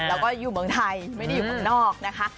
แล้วก็อยู่เมืองไทยไม่ได้อยู่เมืองนอกนะคะ